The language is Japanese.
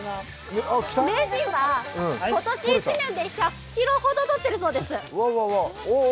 名人は今年１年で１００ｋｇほどとっているそうです。